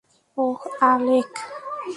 ওহ, Alec.